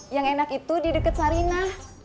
yang enak itu di deket sarinah